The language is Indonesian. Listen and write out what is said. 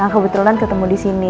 nah kebetulan ketemu disini